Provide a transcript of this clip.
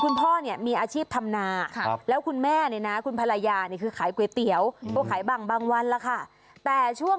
พ่อเนี่ยมีอาชีพธรรมณครับแล้วคุณแม่นี่นะคุณภรรยานี่คือขายก๋วยเตี๋ยวอันบ้างวันแล้วค่ะแต่ช่วง